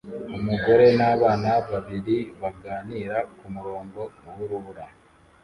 Umugore nabana babiri baganira kumurongo wurubuga